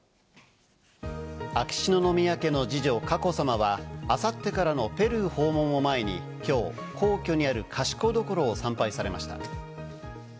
秋篠宮家の二女・佳子さまは、あさってからのペルー訪問を前に、きょう、皇居にある賢所を参拝されました。